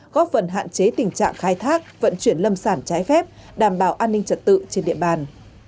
góp phần hạn chế tình trạng khai thác vận chuyển lâm sản trái phép đảm bảo an ninh trật tự trên địa bàn